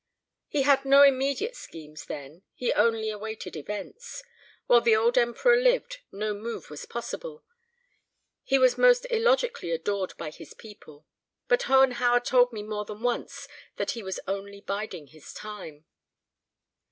"He had no immediate schemes then. He only awaited events. While the old Emperor lived no move was possible; he was most illogically adored by his people. But Hohenhauer told me more than once that he was only biding his time."